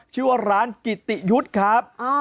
ชื่อว่าร้านกิติยุทธ์ครับ